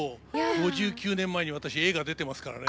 ５９年前に私映画出てますからね。